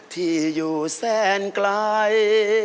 ที่อยู่แสนไกล